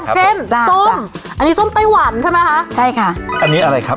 เส้นส้มอันนี้ส้มไต้หวันใช่ไหมคะใช่ค่ะอันนี้อะไรครับ